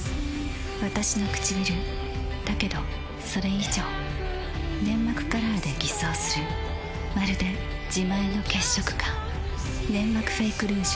わたしのくちびるだけどそれ以上粘膜カラーで偽装するまるで自前の血色感「ネンマクフェイクルージュ」